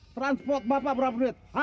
transport bapak berapa duit